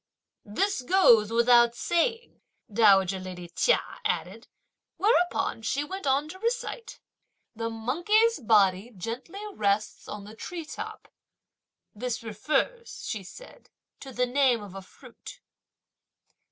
"This goes without saying!" dowager lady Chia added; whereupon she went on to recite: The monkey's body gently rests on the tree top! "This refers," she said, "to the name of a fruit."